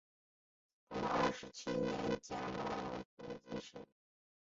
洪武二十七年甲戌科进士。